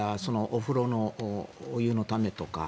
お風呂のお湯のためとか。